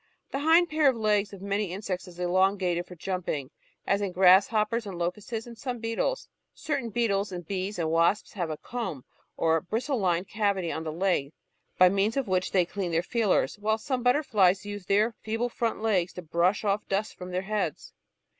The hind pair of legs of many insects is elongated for jumping, as in grasshoppers and locusts and some beetles. Certain beetles and bees and wasps have a "comb" or bristle lined cavity on the leg by means of which they clean their feelers, while some butterflies use their feeble front legs to brush oflP dust from their heads.